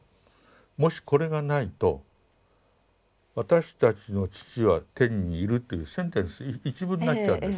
もしこれがないと「私たちの父は天にいる」というセンテンス一文になっちゃうんです。